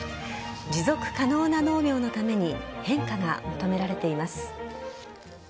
持続可能な農業のために変化が求められています。